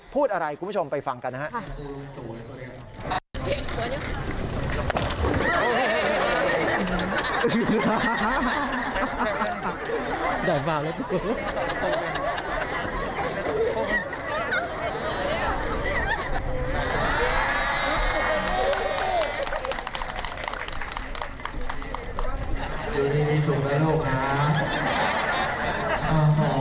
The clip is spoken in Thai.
พูดอะไรคุณผู้ชมไปฟังกันนะครับ